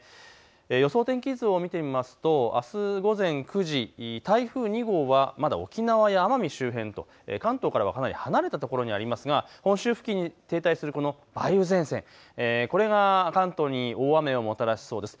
予想天気図を見てみますとあす午前９時、台風２号はまだ沖縄や奄美周辺と関東からはかなり離れたところにありますが、本州付近に停滞する梅雨前線、これが関東に大雨をもたらしそうです。